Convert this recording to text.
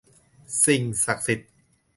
สิ่งศักดิ์สิทธิ์